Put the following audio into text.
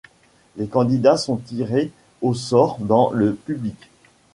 Les candidats sont tirés au sort dans le public.